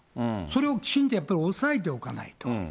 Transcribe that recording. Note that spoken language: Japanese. それをきちんとやっぱり押さえておかないと。